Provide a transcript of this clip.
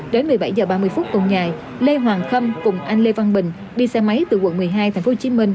đến một mươi bảy h ba mươi phút tuần ngày lê hoàng khâm cùng anh lê văn bình đi xe máy từ quận một mươi hai thành phố hồ chí minh